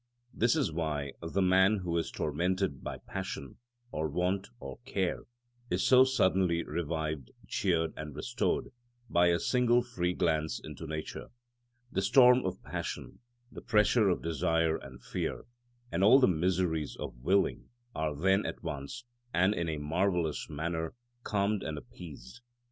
This is why the man who is tormented by passion, or want, or care, is so suddenly revived, cheered, and restored by a single free glance into nature: the storm of passion, the pressure of desire and fear, and all the miseries of willing are then at once, and in a marvellous manner, calmed and appeased.